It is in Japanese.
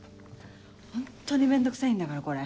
ホントに面倒くさいんだからこれ。